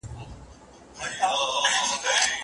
اعتماد نه جوړېده.